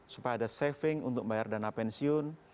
supaya ada saving untuk membayar dana pensiun